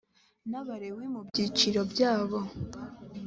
n abalewi mu byiciro byabo